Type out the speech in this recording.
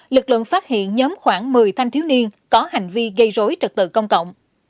lực lượng phát hiện nhóm khoảng một mươi thanh thiếu niên có hành vi gây rối trật tự công cộng